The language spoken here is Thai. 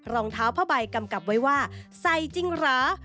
รองเท้าผ้าใบกำกับไว้ว่าใส่จริงเหรอ